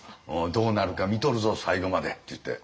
「どうなるか見とるぞ最後まで」っていって。